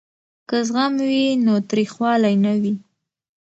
که زغم وي نو تریخوالی نه وي.